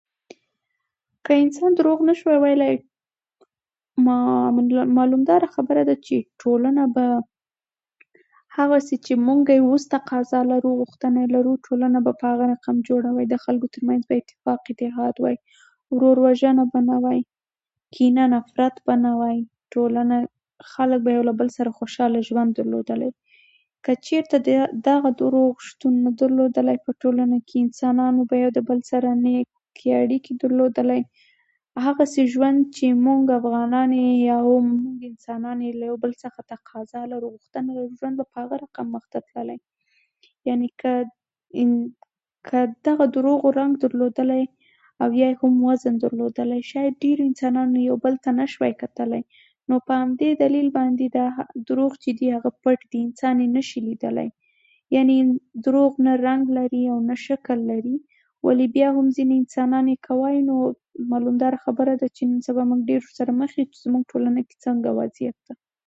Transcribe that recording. که انسان دروغ نشوای ویلی، معلومداره خبره ده چې ټولنه به هغسې چې موږ تقاضا لرو، غوښتنه لرو په هغه رقم جوړه وای، د خلکو تر منځ به اتفاق اتحاد وای، ورو وژنه به نه وای، کینه نفرت به نه وای، ټولنه به خلکو به یو بل سره خوشاله ژوند درلودو، که چېرې دغه دروغ شتون نه درلوده پّ ټولنه کې انسانانو به په ټولنه کې نيک اړيکې درلودلی. هغسې ژوند چې موږ افغانان یې انسان تقاضا لرو غوښتنه لرو ژوند به په هماغسې مخکې تللی، یعنې که دغه دروغ رنګ درلودلی يا کوم وزن درلودلی، شاید ډېرو انسانانو يو بل ته نشوای کتلای، نو په همدې دلیل دا دروغ چې دي، پټ دي، انسان یې نشي لیدلی. يعنې دروغ نه رنګ لري او نه شکل لري ولې بیا هم ځينې انسانان یې که وای نو معلومداره خبره ده چې نن سبا موږ ډېر ورسره مخ یو چې زموږ ټولنه کې څنګه وضعیت ده.